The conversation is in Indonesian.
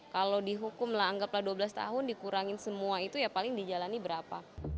kalau dihukum lah anggaplah dua belas tahun dikurangin semua itu ya paling dijalani berapa